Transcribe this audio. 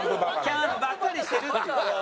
「キャンプばっかりしてる」って。